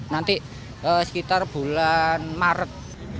nanti sekitar bulan maret